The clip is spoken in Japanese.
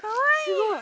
すごい。